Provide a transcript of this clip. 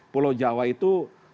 pulau jawa itu